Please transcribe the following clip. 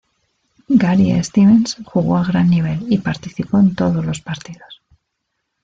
Gary Stevens jugó a gran nivel y participó en todos los partidos.